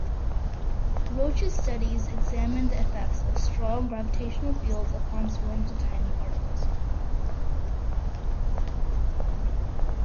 Roche's studies examined the effects of strong gravitational fields upon swarms of tiny particles.